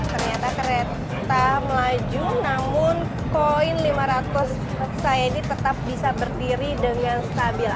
ternyata kereta melaju namun koin lima ratus saya ini tetap bisa berdiri dengan stabil